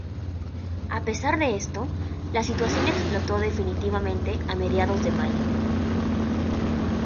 A pesar de esto, la situación explotó definitivamente a mediados de mayo.